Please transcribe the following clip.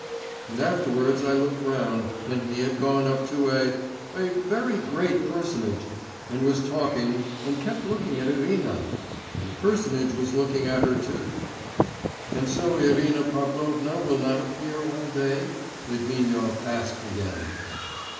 And afterwards I look round and he had gone up to a ... a very great personage, and was talking, and kept looking at Irina ... and the personage was looking at her too.'... 'And so Irina Pavlovna will not appear all day?' Litvinov asked again.